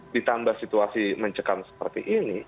ditambah situasi mencekam seperti ini